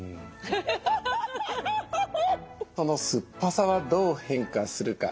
その酸っぱさはどう変化するか。